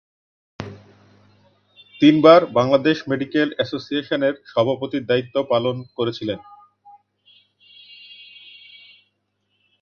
তিনবার বাংলাদেশ মেডিকেল এসোসিয়েশনের সভাপতির দায়িত্ব পালন করেছিলেন।